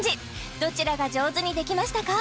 どちらが上手にできましたか？